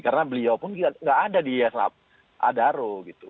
karena beliau pun nggak ada di iyasan adaro gitu